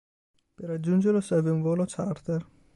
Per raggiungerlo serve un volo charter.